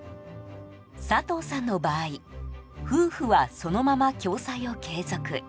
佐藤さんの場合夫婦はそのまま共済を継続。